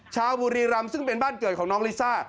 ชาวบุรีรำซึ่งเป็นบ้านเกิดของน้องลิซ่า